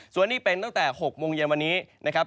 ส่วนนี้เป็นตั้งแต่๖โมงเย็นวันนี้นะครับ